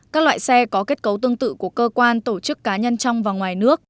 các loại xe có kết cấu tương tự của cơ quan tổ chức cá nhân trong và ngoài nước